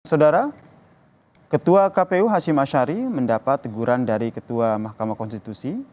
saudara ketua kpu hashim ashari mendapat teguran dari ketua mahkamah konstitusi